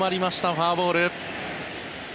フォアボール。